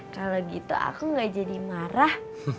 kalau gitu aku gak jadi marah